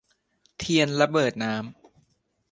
เทียนระเบิดน้ำ